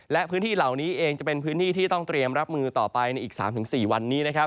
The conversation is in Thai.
และพื้นที่เหล่านี้เองจะเป็นพื้นที่ที่ต้องเตรียมรับมือต่อไปในอีก๓๔วันนี้นะครับ